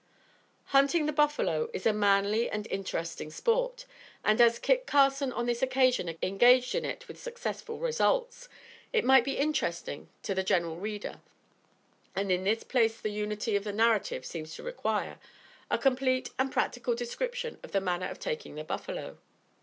Hunting the buffalo is a manly and interesting sport; and, as Kit Carson on this occasion engaged in it with successful results, it might be interesting to the general reader, and, in this place the unity of the narrative seems to require, a complete and practical description of the manner of taking the buffalo.